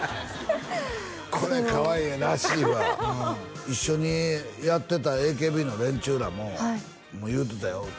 これ川栄らしいわ一緒にやってたＡＫＢの連中らも言うてたよ